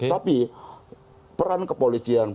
tapi peran kepolisian